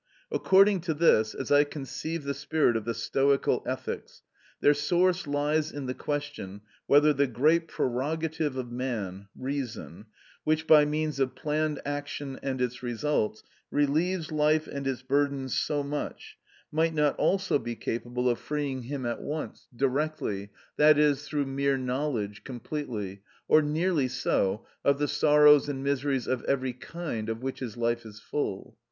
According to this, as I conceive the spirit of the Stoical ethics, their source lies in the question whether the great prerogative of man, reason, which, by means of planned action and its results, relieves life and its burdens so much, might not also be capable of freeing him at once, directly, i.e., through mere knowledge, completely, or nearly so, of the sorrows and miseries of every kind of which his life is full.